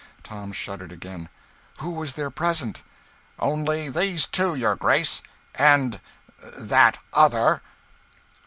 Tom shuddered again. "Who was there present?" "Only these two, your grace and that other."